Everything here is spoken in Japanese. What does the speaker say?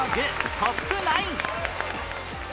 トップ９